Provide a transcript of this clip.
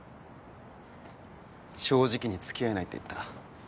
正直に付き合えないって言った。